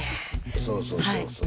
そうそうそうそう。